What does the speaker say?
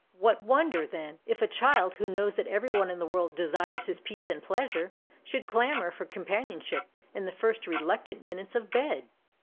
What wonder, then, if a child who knows that everyone in the world desires his peace and pleasure, should clamour for companionship in the first reluctant minutes of bed?